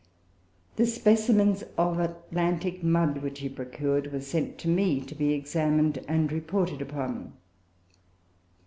The specimens or Atlantic mud which he procured were sent to me to be examined and reported upon.